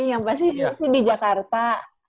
gak lupa sih itu di jakarta